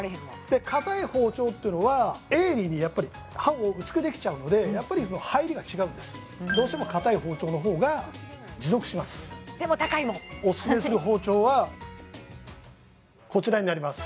かたい包丁っていうのは鋭利にやっぱり刃を薄くできちゃうのでやっぱり入りが違うんですどうしてもかたい包丁のほうが持続しますでも高いもんオススメする包丁はこちらになります